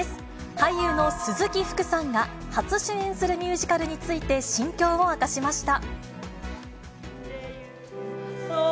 俳優の鈴木福さんが、初主演するミュージカルについて、心境を明かしました。